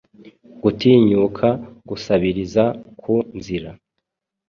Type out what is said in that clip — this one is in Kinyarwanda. gutinyuka gusabiriza ku nzira